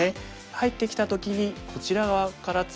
入ってきた時にこちら側からツメましょう。